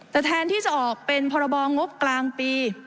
แต่แทนที่จะออกเป็นพรบงบกลางปี